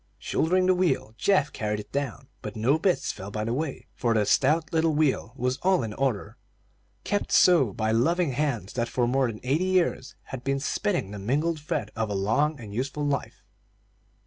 Shouldering the wheel, Geoff carried it down; but no bits fell by the way, for the stout little wheel was all in order, kept so by loving hands that for more than eighty years had been spinning the mingled thread of a long and useful life.